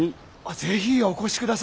ぜひお越しください！